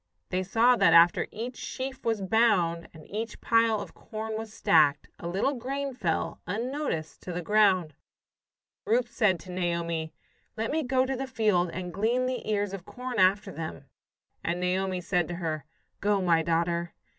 They saw that after each sheaf was bound, and each pile of corn was stacked, a little grain fell, unnoticed, to the ground. Ruth said to Naomi: "Let me go to the field and glean the ears of corn after them." And Naomi said to her, "Go, my daughter."